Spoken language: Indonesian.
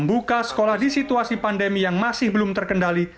buka sekolah di situasi pandemi yang masih belum terkendali